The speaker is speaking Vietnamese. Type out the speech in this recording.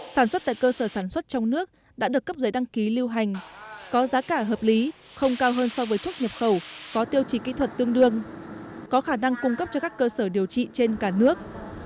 sản xuất tại cơ sở sản xuất trong nước đã được cấp giấy đăng ký lưu hành có giá cả hợp lý không cao hơn so với thuốc nhập khẩu có tiêu chí kỹ thuật tương đương có khả năng cung cấp cho các cơ sở điều trị trên cả nước